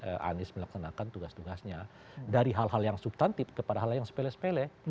karena anies melaksanakan tugas tugasnya dari hal hal yang substantif kepada hal yang sepele sepele